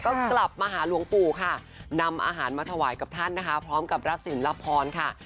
ก็กลับมาหาหลวงปู่ค่ะนำอาหารมาถวายกับท่านนะคะพร้อมกับรักศิลปพรค่ะ